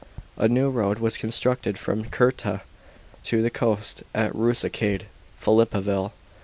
A new road was constructed from Cirta to the coast at Rusicade (Philippeville).